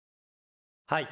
はい。